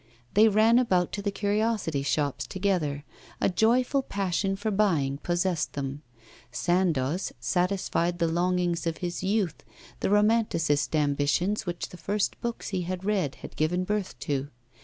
They ran about to the curiosity shops together; a joyful passion for buying possessed them. Sandoz satisfied the longings of his youth, the romanticist ambitions which the first books he had read had given birth to.